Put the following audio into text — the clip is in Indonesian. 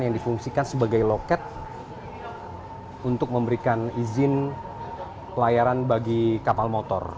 yang difungsikan sebagai loket untuk memberikan izin pelayaran bagi kapal motor